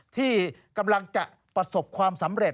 ที่กำลังจะประสบความสำเร็จ